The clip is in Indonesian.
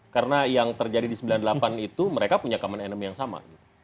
karena yang terjadi di sembilan puluh delapan itu mereka punya common enemy yang sama